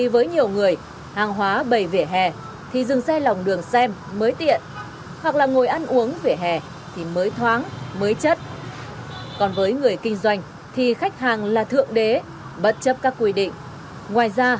ví dụ như ở những đoạn vỉa hè rộng như thế này thì mọi người có thể tính đến những thương án nộp phí cho nhà nước trong đúng quy định